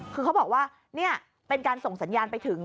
คือเขาบอกว่านี่เป็นการส่งสัญญาณไปถึง